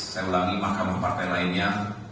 saya ulangi mahkamah partai lainnya